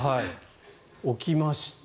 置きました。